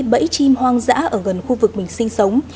bẫy chim hoang dã ở gần khu vực mình sinh sống